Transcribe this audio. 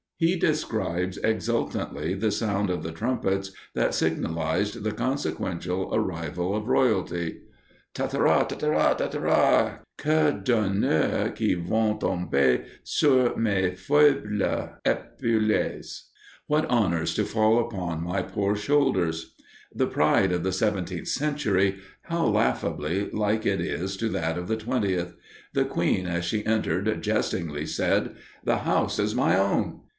He describes exultantly the sound of the trumpets that signalized the consequential arrival of royalty. "Tatera, tatera, tatera! Que d'honeurs qui vont tomber sur mes foibles espaulles!" ["What honors to fall upon my poor shoulders!"] The pride of the seventeenth century how laughably like it is to that of the twentieth. The queen as she entered, jestingly said, "The house is my own!"